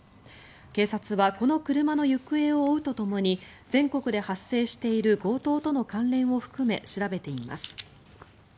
警察はこの車の行方を追うとともに全国で発生している強盗との関連を含め調べています。